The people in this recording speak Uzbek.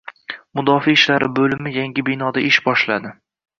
Mudofaa ishlari bo‘limi yangi binoda ish boshladi